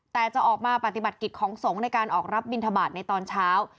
แต่จะออกมาปฏิบัติกิจของสงฆ์ในการออกรับบินทบาทในตอนเช้า